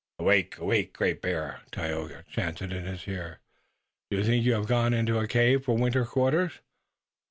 "Awake! Awake, Great Bear!" Tayoga chanted in his ear. "Do you think you have gone into a cave for winter quarters?